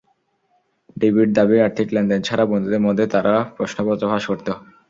ডিবির দাবি, আর্থিক লেনদেন ছাড়া বন্ধুদের মধ্যে তাঁরা প্রশ্নপত্র ফাঁস করত।